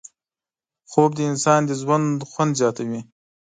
خوب د انسان د ژوند خوند زیاتوي